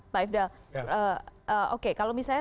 pak ifdal oke kalau misalnya